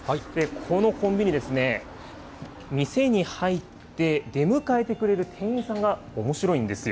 このコンビニですね、店に入って出迎えてくれる店員さんがおもしろいんですよ。